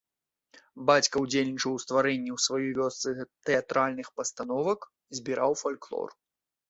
Бацька ўдзельнічаў у стварэнні ў сваёй вёсцы тэатральных пастановак, збіраў фальклор.